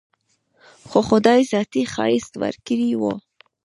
خو خداى ذاتي ښايست وركړى و.